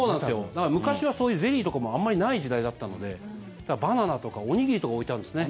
だから昔はそういうゼリーとかもあんまりない時代だったのでバナナとかおにぎりとか置いてあるんですね。